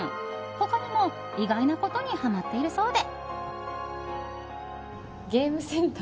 他にも意外なことにハマっているそうで。